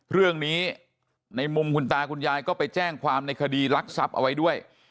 เรื่องนี้ในมุมคุณตาคุณยายก็ไปแจ้งความในคดีรักทรัพย์เอาไว้ด้วย